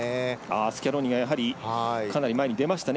スキャローニがかなり前に出ましたね。